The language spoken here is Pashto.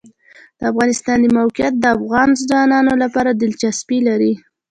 د افغانستان د موقعیت د افغان ځوانانو لپاره دلچسپي لري.